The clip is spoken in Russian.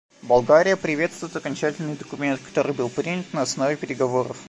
Болгария приветствует окончательный документ, который был принят на основе переговоров.